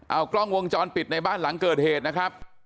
เอากล้องวงจรปิดในบ้านหลังเกิดเหตุนะครับ